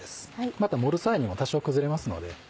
また盛る際にも多少崩れますので。